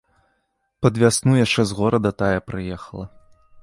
Пад вясну яшчэ з горада тая прыехала.